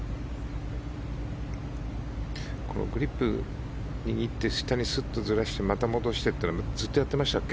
グリップ握って下にすっとずらしてまた戻してというのはずっとやってましたっけ？